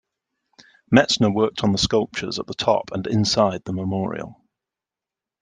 Metzner worked on the sculptures at the top and inside the memorial.